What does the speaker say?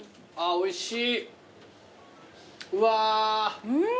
おいしい。